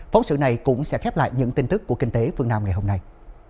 phóng sự này cũng sẽ khép lại những tin tức của kinh tế phương nam ngày hôm nay